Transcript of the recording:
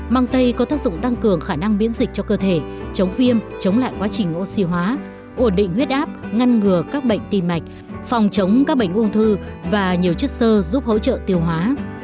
mang tây có tác dụng tăng cường khả năng biễn dịch cho cơ thể chống viêm chống lại quá trình oxy hóa ổn định huyết áp ngăn ngừa các bệnh tim mạch phòng chống các bệnh ung thư và nhiều chất sơ giúp hỗ trợ tiêu hóa